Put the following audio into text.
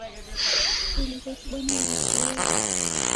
Kuseliw'e kubonya mazoezi.